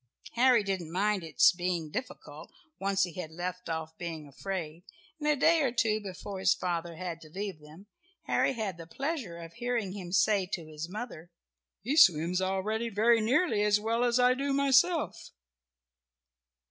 Harry didn't mind its being difficult once he had left off being afraid, and a day or two before his father had to leave them, Harry had the pleasure of hearing him say to his mother, "He swims already very nearly as well as I do myself."